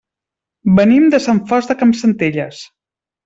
Venim de Sant Fost de Campsentelles.